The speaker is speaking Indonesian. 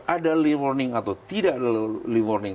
ada early warning atau tidak ada early warning